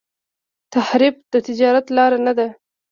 تحریف د نجات لار نه ده.